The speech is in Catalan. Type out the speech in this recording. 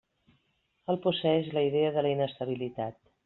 El posseeix la idea de la inestabilitat.